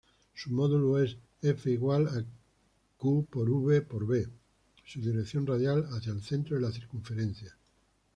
Su módulo es "F=q·v·B", su dirección radial hacia el centro de la circunferencia.